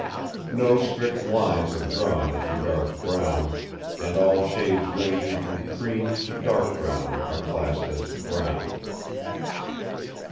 No strict lines are drawn as regards brown, and all shades ranging from cream to dark brown are classed as brown.